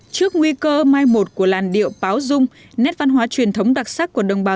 trước nguy cơ mai một của làn điệu báo dung nét văn hóa truyền thống đặc sắc của đồng bào